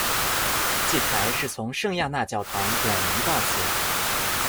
祭台是从圣亚纳教堂转移到此。